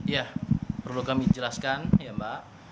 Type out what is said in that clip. ya perlu kami jelaskan ya mbak